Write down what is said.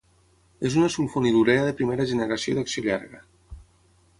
És una sulfonilurea de primera generació d'acció llarga.